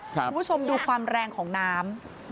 คุณผู้ชมดูความแรงของน้ำ